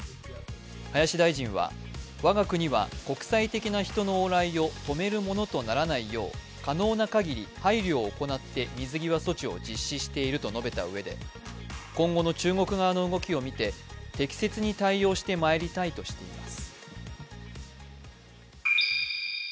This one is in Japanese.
林大臣は、我が国は国際的な人の往来を止めるものとならないよう可能な限り配慮を行って水際措置を実施していると述べたうえで今後の中国側の動きを見て適切に対応してまいりたいとしています。